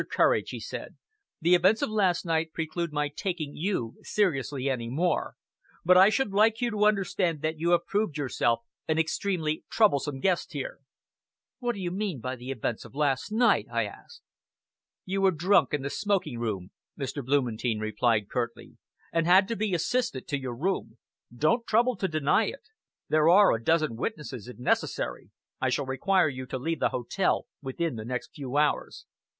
Courage," he said, "the events of last night preclude my taking you seriously any more; but I should like you to understand that you have proved yourself an extremely troublesome guest here." "What do you mean by the events of last night?" I asked. "You were drunk in the smoking room," Mr. Blumentein replied curtly, "and had to be assisted to your room. Don't trouble to deny it. There are a dozen witnesses, if necessary. I shall require you to leave the hotel within the next few hours."